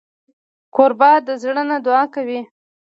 کوربه د زړه نه دعا کوي.